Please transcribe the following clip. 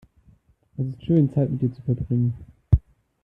Es ist schön, Zeit mit dir zu verbringen.